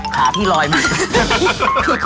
ขาพี่ลอยมา